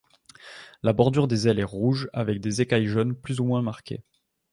La bordure des ailes est rouge avec des écailles jaunes plus ou moins marquées.